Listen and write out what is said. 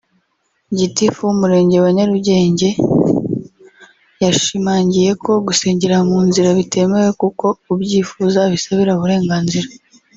Gitifu w’Umurenge wa Nyarugenge yashimangiye ko gusengera mu nzira bitemewe kuko ubyifuza abisabira uburenganzira